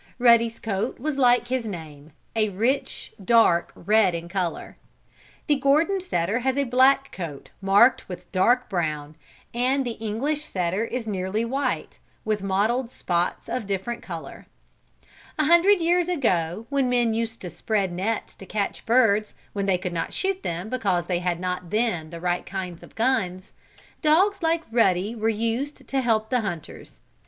Ruddy's coat was like his name, a rich dark red in color. The Gordon setter has a black coat, marked with dark brown, and the English setter is nearly white, with mottled spots of different color. A hundred years ago, when men used to spread nets to catch birds, when they could not shoot them because they had not then the right kind of guns, dogs like Ruddy were used to help the hunters.